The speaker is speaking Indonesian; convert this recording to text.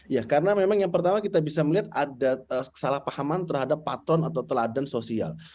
ya karena memang yang pertama kita bisa melihat ada kesalahpahaman terhadap patron atau teladan sosial